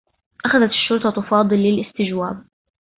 أخذت الشّرطة فاضل للإستجواب.